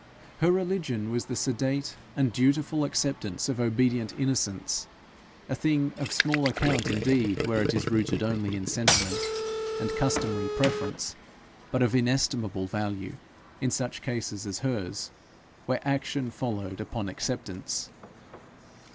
Her religion was the sedate and dutiful acceptance of obedient innocence, a thing of small account indeed where it is rooted only in sentiment and customary preference, but of inestimable value in such cases as hers, where action followed upon acceptance.